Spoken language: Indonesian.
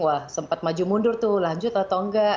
wah sempat maju mundur tuh lanjut atau enggak